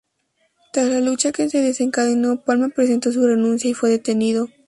Tras la lucha que se desencadenó, Palma presentó su renuncia y fue detenido.